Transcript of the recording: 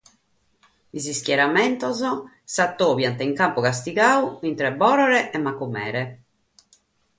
Sos ischieramentos s'addobieint in Campu Castigadu, intre Bòrore e Macumere.